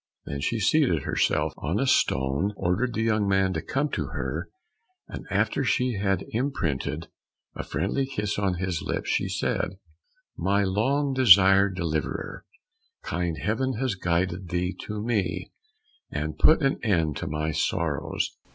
Then she seated herself on a stone, ordered the young man to come to her, and after she had imprinted a friendly kiss on his lips, she said, "My long desired deliverer, kind Heaven has guided thee to me, and put an end to my sorrows.